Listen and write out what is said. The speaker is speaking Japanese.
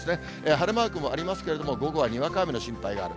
晴れマークもありますけれども、午後はにわか雨の心配がある。